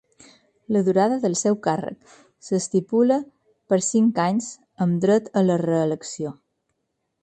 La durada del seu càrrec s'estipula per cinc anys amb dret a la reelecció.